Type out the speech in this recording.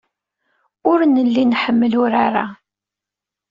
Ur nelli nḥemmel urar-a.